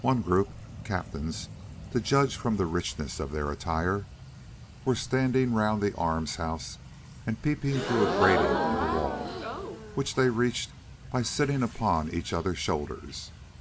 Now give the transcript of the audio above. One group—captains, to judge from the richness of their attire—were standing round the arms house and peeping through a grating in the wall, which they reached by sitting upon each other's shoulders.